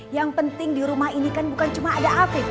yang penting di rumah ini kan bukan cuma ada api